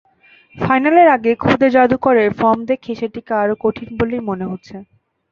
ফাইনালের আগে খুদে জাদুকরের ফর্ম দেখে সেটিকে আরও কঠিন বলেই মনে হচ্ছে।